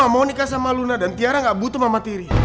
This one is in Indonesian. mereka sama luna dan tiara gak butuh mama tiri